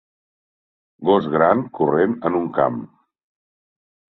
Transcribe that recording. Gos gran corrent en un camp.